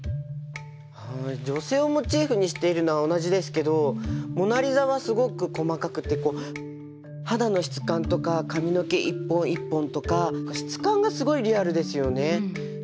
はい女性をモチーフにしているのは同じですけど「モナ・リザ」はすごく細かくて肌の質感とか髪の毛一本一本とか質感がすごいリアルですよね。